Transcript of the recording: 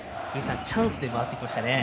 チャンスで回ってきましたね。